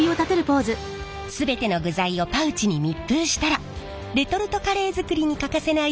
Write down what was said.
全ての具材をパウチに密封したらレトルトカレー作りに欠かせない